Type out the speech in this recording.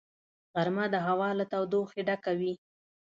غرمه د هوا له تودوخې ډکه وي